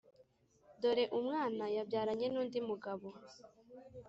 dore umwana yabyaranye n’undi mugabo